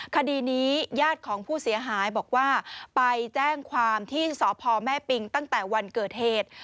คดีนี้ญาติของผู้เสียหายบอกว่าไปแจ้งความที่สพแม่ปิงตั้งแต่วันเกิดเหตุ